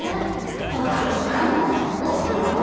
ポカポカのおふろ。